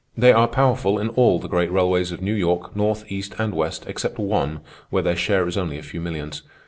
They are powerful in all the great railways of New York, north, east, and west, except one, where their share is only a few millions.